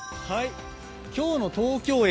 今日の東京駅。